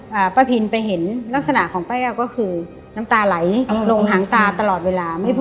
ป้าพินไปเห็นลักษณะของป้าแก้วก็คือน้ำตาไหลลงหางตาตลอดเวลาไม่พอ